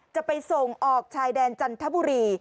จะไปส่งออกชายแดนจันทบุรี